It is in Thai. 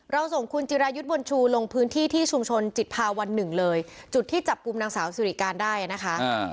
ส่งคุณจิรายุทธ์บุญชูลงพื้นที่ที่ชุมชนจิตภาวันหนึ่งเลยจุดที่จับกลุ่มนางสาวสิริการได้นะคะ